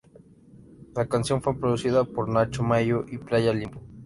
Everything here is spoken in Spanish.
La canción fue producida por Nacho Maño y Playa Limbo.